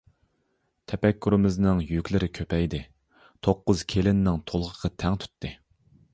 تەپەككۇرىمىزنىڭ يۈكلىرى كۆپەيدى، «توققۇز كېلىننىڭ تولغىقى تەڭ تۇتتى» !